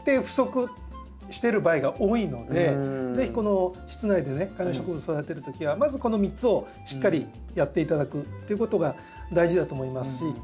不足してる場合が多いので是非この室内でね観葉植物育てる時はまずこの３つをしっかりやって頂くっていうことが大事だと思いますし。